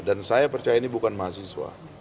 dan saya percaya ini bukan mahasiswa